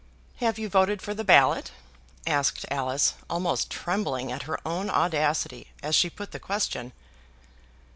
"Have you voted for the ballot?" asked Alice, almost trembling at her own audacity as she put the question.